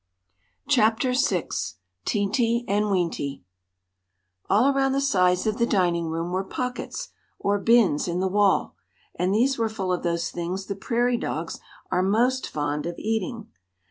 Chapter VI Teenty and Weenty ALL around the sides of the dining room were pockets, or bins, in the wall; and these were full of those things the prairie dogs are most fond of eating.